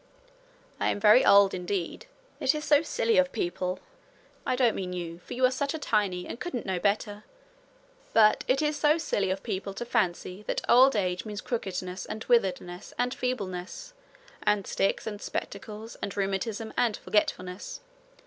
'I am very old indeed. It is so silly of people I don't mean you, for you are such a tiny, and couldn't know better but it is so silly of people to fancy that old age means crookedness and witheredness and feebleness and sticks and spectacles and rheumatism and forgetfulness!